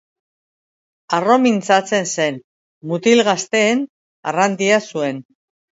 Harro mintzatzen zen, mutil gazteen arrandia zuen.